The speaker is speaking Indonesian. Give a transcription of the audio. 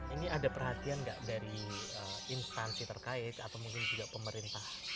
ini ada perhatian nggak dari instansi terkait atau mungkin juga pemerintah